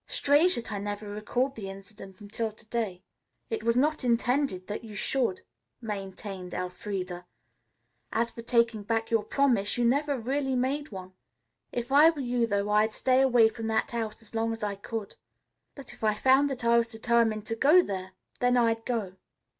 Strange that I never recalled the incident until to day." "It was not intended that you should," maintained Elfreda. "As for taking back your promise, you never really made one. If I were you, though, I'd stay away from that house as long as I could. But if I found that I was determined to go there, then I'd go."